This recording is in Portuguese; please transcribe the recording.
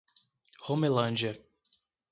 Romelândia